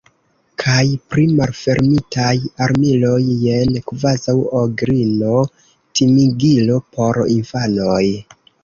Kaj pri malpermesitaj armiloj – jen kvazaŭ ogrino, timigilo por infanoj.